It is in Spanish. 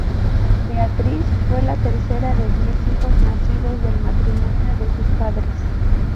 Beatriz fue la tercera de diez hijos nacidos del matrimonio de sus padres.